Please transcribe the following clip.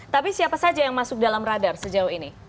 tapi siapa saja yang masuk dalam radar sejauh ini